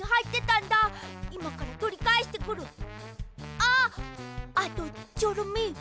ああとチョロミー。